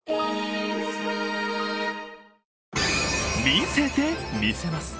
見せて魅せます。